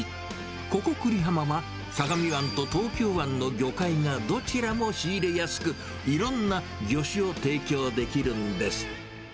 ここ、久里浜は相模湾と東京湾の魚介がどちらも仕入れやすく、いろんな魚種を提供できるんです。